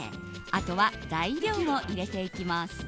あとは材料を入れていきます。